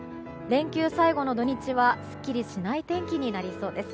連休最後の土日はすっきりしない天気となりそうです。